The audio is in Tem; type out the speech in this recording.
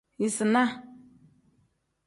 Yisinaa.